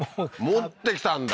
持ってきたんだ